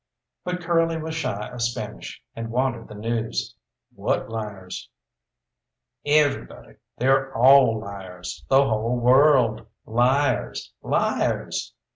But Curly was shy of Spanish, and wanted the news. "What liars?" "Everybody they're all liars the whole world liars! Liars!